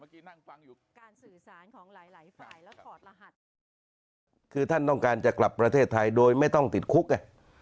นั่งฟังอยู่การสื่อสารของหลายหลายฝ่ายแล้วถอดรหัสคือท่านต้องการจะกลับประเทศไทยโดยไม่ต้องติดคุกไง